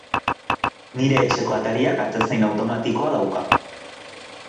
Nire etxeko atariak atezain automatikoa dauka.